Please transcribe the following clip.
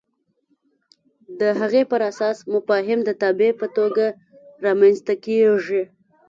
د هغې پر اساس مفاهیم د تابع په توګه رامنځته کېږي.